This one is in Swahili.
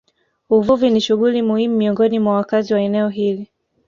Uvuvi ni shughuli muhimu miongoni mwa wakazi wa eneo hili